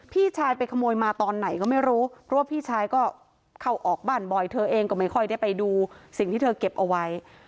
พี่ชายไปขโมยมาตอนไหนก็ไม่รู้เพราะว่าพี่ชายก็เข้าออกบ้านบ่อยเธอเองก็ไม่ค่อยได้ไปดูสิ่งที่เธอเก็บเอาไว้